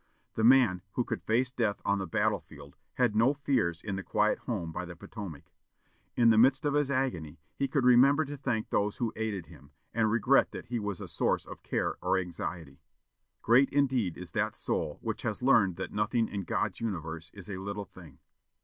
The man who could face death on the battle field had no fears in the quiet home by the Potomac. In the midst of his agony, he could remember to thank those who aided him, and regret that he was a source of care or anxiety. Great indeed is that soul which has learned that nothing in God's universe is a little thing.